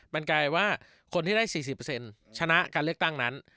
บันกายว่าคนที่ได้๔๐เปอร์เซ็นต์ชนะการเลือกตั้งนั้น